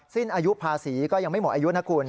สิ้นอายุภาษีก็ยังไม่หมดอายุนะคุณ